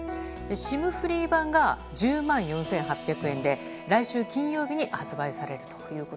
ＳＩＭフリー版は１０万４８００円で来週金曜日に発売されます。